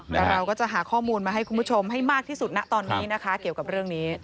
แต่เราก็จะหาข้อมูลมาให้คุณผู้ชมให้มากที่สุดนะตอนนี้นะคะเกี่ยวกับเรื่องนี้